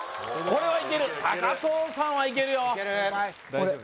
これはいける藤さんはいけるよ大丈夫です